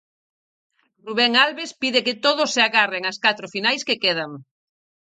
Rubén Albes pide que todos se agarren ás catro finais que quedan.